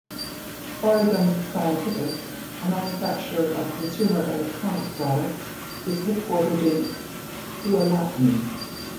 Oregon Scientific, a manufacturer of consumer electronics products, is headquartered in Tualatin.